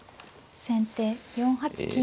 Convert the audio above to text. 先手４八金。